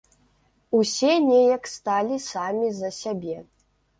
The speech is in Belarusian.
Усе неяк сталі самі за сябе.